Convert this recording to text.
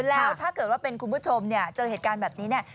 แล้วถ้าเกิดว่าเป็นคุณผู้ชมเนี่ยเจอเหตุการณ์แบบนี้เนี่ย